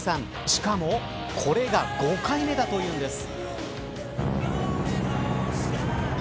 しかもこれが５回目だというんです。